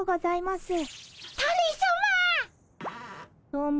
どうも。